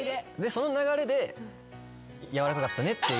その流れで柔らかかったねって。